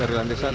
dari lantai satu